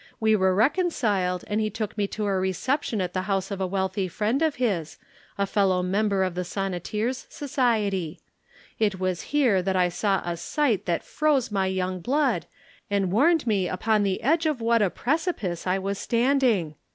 We were reconciled and he took me to a reception at the house of a wealthy friend of his, a fellow member of the Sonneteers' Society. It was here that I saw a sight that froze my young blood and warned me upon the edge of what a precipice I was standing.